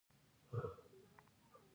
بیزو د خوړو لپاره له ونو څخه ګټه اخلي.